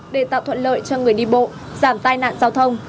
để tạo thuận lợi cho người đi bộ giảm tai nạn giao thông